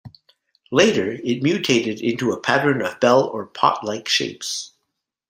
Later it mutated into a pattern of bell or pot-like shapes.